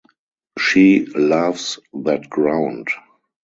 She loves that ground.